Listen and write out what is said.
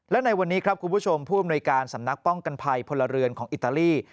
และในวันนี้ครับคุณผู้ชมผู้อำนวยการสำนักป้องกันภัยพลเรือนของอิตาลี